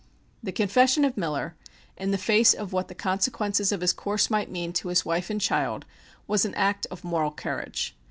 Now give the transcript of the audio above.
The confession of Miller, in the face of what the consequences of his course might mean to his wife and child, was an act of moral courage.